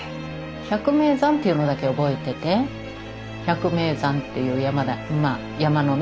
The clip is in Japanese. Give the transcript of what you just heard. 百名山っていうのだけ覚えてて百名山っていう山のね